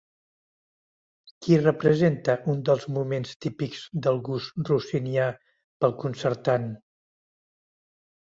Qui representa un dels moments típics del gust rossinià pel concertant?